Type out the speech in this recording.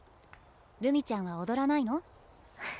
るみちゃんは踊らないの？